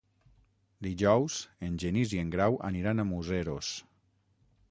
Dijous en Genís i en Grau aniran a Museros.